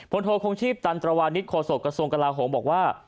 โทคงชีพตันตรวานิสโฆษกระทรวงกลาโหมบอกว่า